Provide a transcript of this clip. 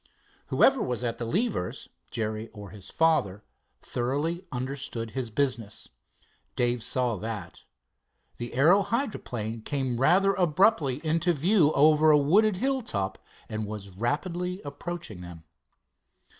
Whoever was at the levers, Jerry or his father, thoroughly understood his business, Dave saw that. The aero hydroplane came rather abruptly into view over a wooded hill top, and was rapidly approaching them.